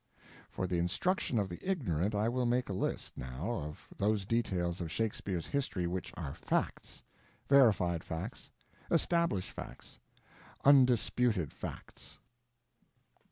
For the instruction of the ignorant I will make a list, now, of those details of Shakespeare's history which are facts—verified facts, established facts, undisputed facts.